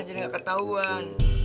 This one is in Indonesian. jadi gak ketahuan